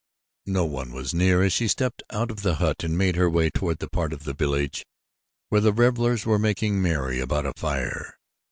No one was near as she stepped out of the hut and made her way toward the part of the village where the revelers were making merry about a fire.